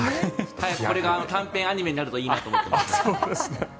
早くこれが短編アニメになるといいなと思ってます。